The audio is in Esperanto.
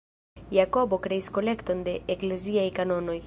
Jakobo kreis "kolekton de ekleziaj kanonoj".